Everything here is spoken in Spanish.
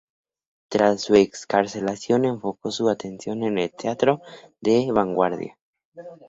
Tras su excarcelación enfocó su atención en el teatro de vanguardia.